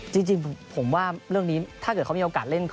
จริงผมว่าเรื่องนี้ถ้าเกิดเขามีโอกาสเล่น